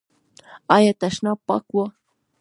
ایا تشناب پاک و؟